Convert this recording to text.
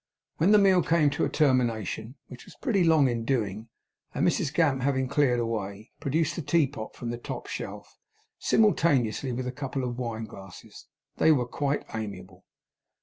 When the meal came to a termination (which it was pretty long in doing), and Mrs Gamp having cleared away, produced the teapot from the top shelf, simultaneously with a couple of wine glasses, they were quite amiable.